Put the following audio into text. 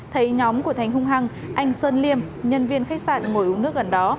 thấy nhóm của thành hung hăng anh sơn liêm nhân viên khách sạn ngồi uống nước gần đó